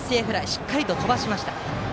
しっかりと飛ばしました。